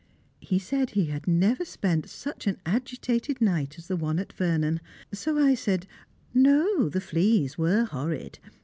He said he had never spent such an agitated night as the one at Vernon. So I said No, the fleas were horrid.